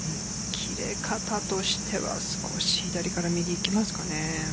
切れ方としては少し左から右にいきますかね。